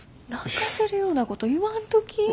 泣かせるようなこと言わんとき。